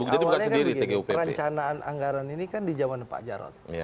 jadi awalnya kan perencanaan anggaran ini kan di jaman pak jarot